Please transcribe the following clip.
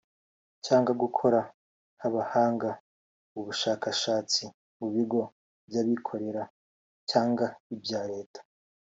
cyangwa gukora nk’abahanga mu bushakashatsi mu bigo by’abikorera cyangwa ibya Leta